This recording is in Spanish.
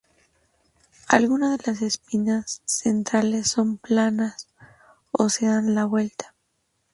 Algunas de las espinas centrales son planas o se dan la vuelta.